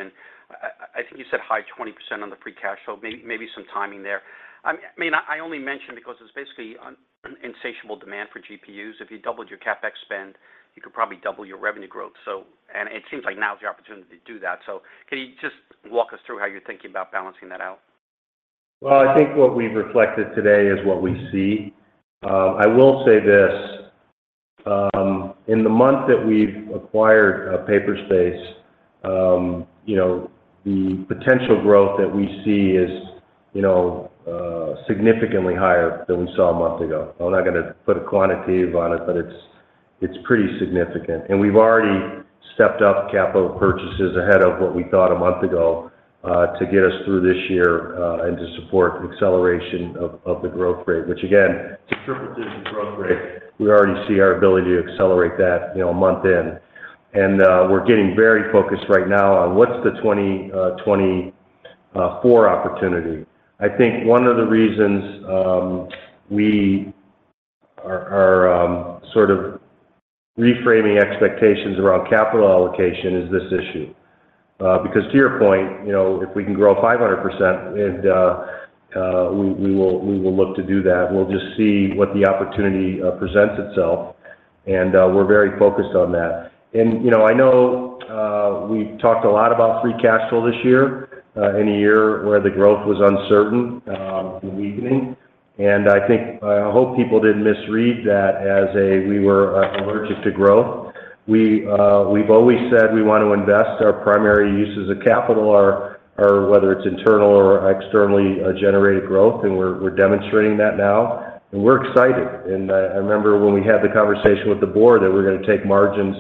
I think you said high 20% on the free cash flow, maybe some timing there. I mean, I only mention because it's basically an insatiable demand for GPUs. If you doubled your CapEx spend, you could probably double your revenue growth. It seems like now is the opportunity to do that. Can you just walk us through how you're thinking about balancing that out? Well, I think what we've reflected today is what we see. I will say this, in the month that we've acquired Paperspace, you know, the potential growth that we see is, you know, significantly higher than we saw a month ago. I'm not gonna put a quantitative on it, but it's, it's pretty significant. We've already stepped up capital purchases ahead of what we thought a month ago, to get us through this year, and to support the acceleration of, of the growth rate, which again, triples the growth rate. We already see our ability to accelerate that, you know, a month in. We're getting very focused right now on what's the 2024 opportunity. I think one of the reasons we are, are, sort of reframing expectations around capital allocation is this issue. Because to your point, you know, if we can grow 500%, we will, we will look to do that. We'll just see what the opportunity presents itself, we're very focused on that. You know, I know, we talked a lot about free cash flow this year, in a year where the growth was uncertain, in the evening. I think I hope people didn't misread that as a, we were allergic to growth. We, we've always said we want to invest. Our primary uses of capital are, are whether it's internal or externally generated growth, and we're, we're demonstrating that now, and we're excited. I, I remember when we had the conversation with the board that we're gonna take margins,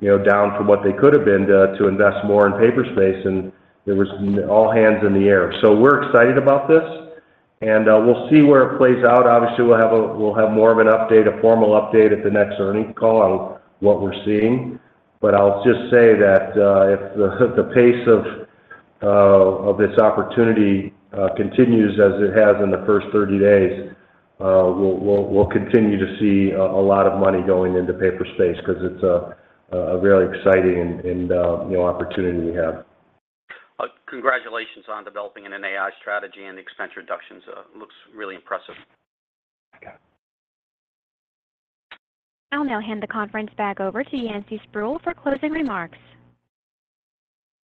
you know, down from what they could have been, to invest more in Paperspace, and it was all hands in the air. We're excited about this, and we'll see where it plays out. Obviously, we'll have more of an update, a formal update at the next earning call on what we're seeing. I'll just say that, if the pace of this opportunity continues as it has in the first 30 days, we'll, we'll, we'll continue to see a lot of money going into Paperspace 'cause it's a very exciting and new opportunity we have. Congratulations on developing an AI strategy, and the expense reductions, looks really impressive. Yeah. I'll now hand the conference back over to Yancey Spruill for closing remarks.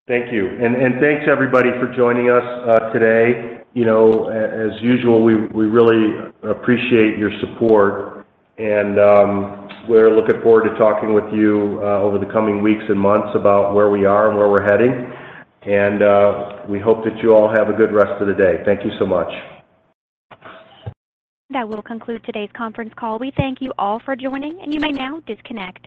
Thank you. Thanks, everybody, for joining us today. You know, as usual, we really appreciate your support, and we're looking forward to talking with you over the coming weeks and months about where we are and where we're heading. We hope that you all have a good rest of the day. Thank you so much. That will conclude today's conference call. We thank you all for joining, and you may now disconnect.